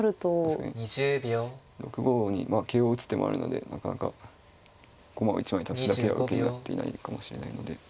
確かに６五に桂を打つ手もあるのでなかなか駒を１枚足すだけでは受けになっていないのかもしれないので。